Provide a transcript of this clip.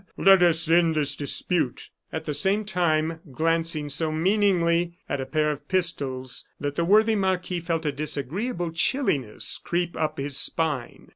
let us end this dispute," at the same time glancing so meaningly at a pair of pistols that the worthy marquis felt a disagreeable chilliness creep up his spine.